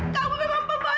kamu memang pemboci